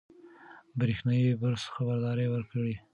برېښنایي برس خبرداری ورکوي.